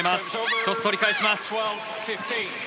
１つ、取り返します。